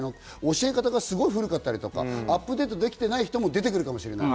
教え方が古かったりとか、アップデートできない人も出てくるかもしれない。